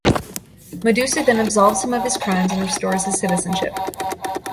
Medusa then absolves him of his crimes and restores his citizenship.